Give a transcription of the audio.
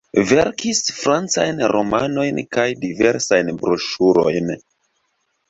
Verkis francajn romanojn kaj diversajn broŝurojn.